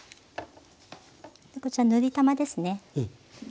こちら塗りたまですね。